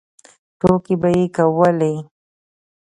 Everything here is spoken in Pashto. ټوکې به یې کولې.